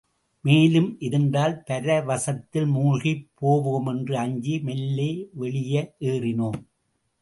மேலும் இருந்தால், பரவசத்தில் மூழ்கிப் போவோமென்று அஞ்சி, மெல்ல வெளியேறினோம்.